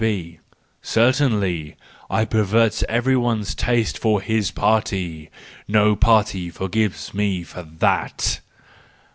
" B: "Certainly! I pervert every one's taste for his party:—no party forgives me for that."